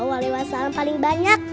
wali wasalam paling banyak